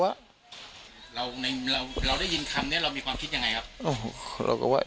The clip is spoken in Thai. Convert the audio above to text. เราได้ยินคำนี้เรามีความคิดยังไงครับ